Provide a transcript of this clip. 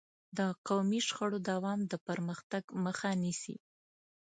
د قومي شخړو دوام د پرمختګ مخه نیسي.